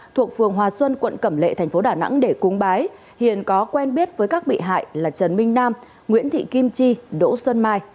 thuộc phường hòa xuân quận cẩm lệ thành phố đà nẵng để cúng bái hiền có quen biết với các bị hại là trần minh nam nguyễn thị kim chi đỗ xuân mai